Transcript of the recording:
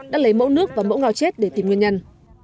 đã lấy mẫu nước và mẫu ngao chết để tìm nguyên nhân